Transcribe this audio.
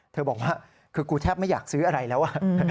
บอกว่าคือกูแทบไม่อยากซื้ออะไรแล้ว